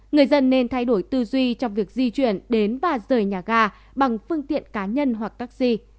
người dân nên thay đổi tư duy trong việc di chuyển đến và rời nhà ga bằng phương tiện cá nhân hoặc taxi